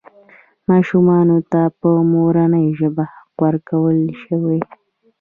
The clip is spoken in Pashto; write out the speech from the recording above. ماشومانو ته په مورنۍ ژبه حق ورکړل شوی.